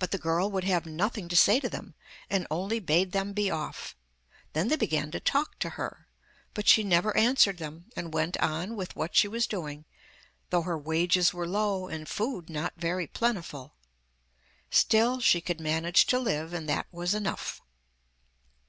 But the girl would have nothing to say to them, and only bade them be off; then they began to talk to her, but she never answered them, and went on with what she was doing, though her wages were low and food not very plentiful. Still she could manage to live, and that was enough.